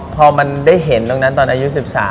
พอมันได้เห็นตรงนั้นตอนอายุ๑๓